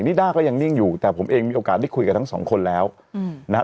ด้าก็ยังนิ่งอยู่แต่ผมเองมีโอกาสได้คุยกับทั้งสองคนแล้วนะฮะ